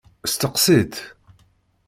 Steqsi-tt.